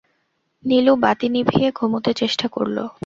নীলু বাতি নিভিয়ে ঘুমুতে চেষ্টা করল।